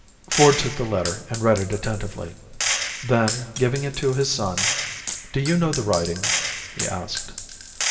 Ford took the letter and read it attentively. Then giving it to his son, "Do you know the writing?" he asked.